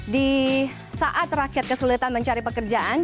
di saat rakyat kesulitan mencari pekerjaan